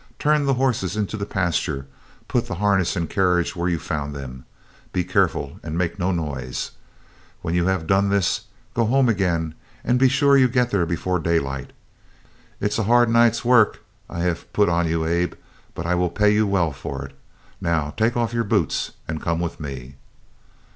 Turn the horses into the pasture, put the harness and carriage where you found them. Be careful and make no noise. When you have done this go home again and be sure you get there before daylight. It's a hard night's work I have put on you, Abe, but I will pay you well for it. Now, take off your boots and come with me."